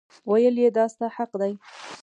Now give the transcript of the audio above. ویل یې دا ستا حق دی.